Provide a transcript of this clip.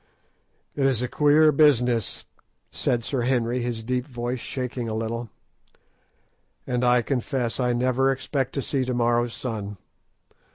"It is a queer business," said Sir Henry, his deep voice shaking a little, "and I confess I never expect to see to morrow's sun.